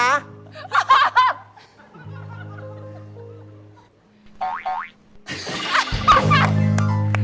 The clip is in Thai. ไม่